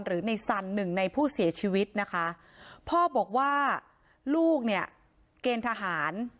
หรือในสันหนึ่งในผู้เสียชีวิตนะคะพ่อบอกว่าลูกเนี่ยเกณฑ์ทหาร